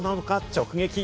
直撃。